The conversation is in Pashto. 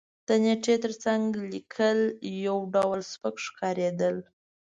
د نېټې تر څنګ لېکل یو ډول سپک ښکارېدل.